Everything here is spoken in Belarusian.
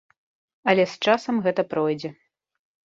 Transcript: Але з часам гэта пройдзе.